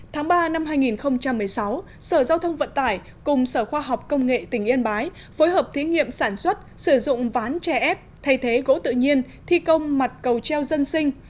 tháng ba năm hai nghìn một mươi sáu sở giao thông vận tải cùng sở khoa học công nghệ tỉnh yên bái phối hợp thí nghiệm sản xuất sử dụng ván chè ép thay thế gỗ tự nhiên thi công mặt cầu treo dân sinh